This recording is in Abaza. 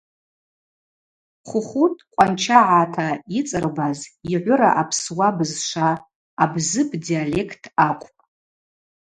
Хухутӏ къванчагӏата йыцӏырбаз йгӏвыра Апсуа бызшва абзыб диалект акӏвпӏ.